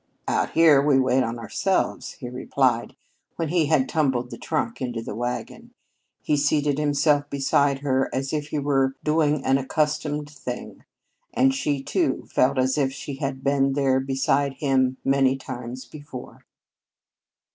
"Out here we wait on ourselves," he replied when he had tumbled the trunk into the wagon. He seated himself beside her as if he were doing an accustomed thing, and she, too, felt as if she had been there beside him many times before.